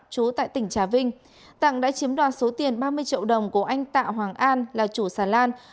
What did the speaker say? chú tại tỉnh trà vinh tặng đã chiếm đoạt số tiền ba mươi triệu đồng của anh tạ hoàng an là chủ xà lan